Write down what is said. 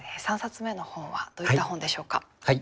３冊目の本はどういった本でしょうか？